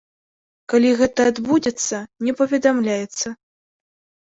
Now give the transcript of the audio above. Калі гэта адбудзецца, не паведамляецца.